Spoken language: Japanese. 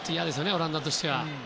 オランダとしては。